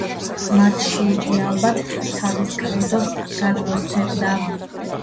მათში იგი ალბათ თავის კრედოს გადმოსცემდა.